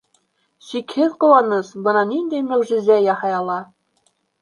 Сикһеҙ ҡыуаныс бына ниндәй мөғжизә яһай ала!